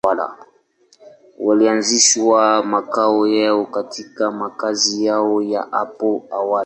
Walianzisha makao yao katika makazi yao ya hapo awali.